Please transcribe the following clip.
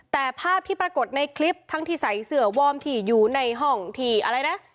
แต่ภาพที่ปรากฏในคลิปทั้งที่ใส่เสือวอร์มที่อยู่ในห้องที่อะไรนะ